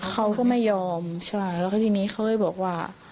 เขาก็ไม่ยอมใช่แล้วก็ทีนี้เขาเลยบอกว่า